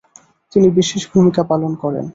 তিনি বিশেষ ভূমিকা পালন করেন।